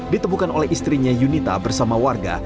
ditemukan oleh istrinya yunita bersama warga